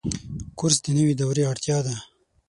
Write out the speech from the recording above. کورس د نوي دورې اړتیا ده.